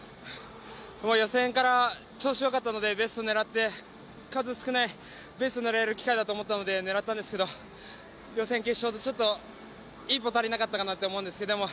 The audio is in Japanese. この予選から調子よかったので、ベストを狙って数少ないベストを狙える機会だったので狙ったんですけど予選、決勝とちょっと一歩足りなかったかなって思うんですけども